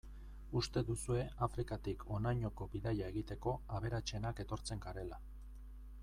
Uste duzue Afrikatik honainoko bidaia egiteko, aberatsenak etortzen garela.